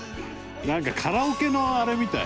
「なんかカラオケのあれみたい」